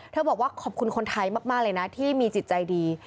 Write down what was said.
บอกว่าขอบคุณคนไทยมากเลยนะที่มีจิตใจดี